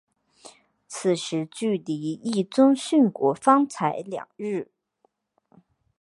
此时距离毅宗殉国方才两日。